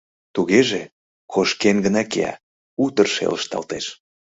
Тугеже, кошкен гына кия, утыр шелышталтеш.